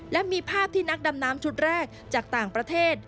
และมีภาพที่นักดำน้ำชุดแรกจากต่างประเทศ